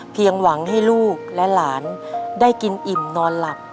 หวังให้ลูกและหลานได้กินอิ่มนอนหลับ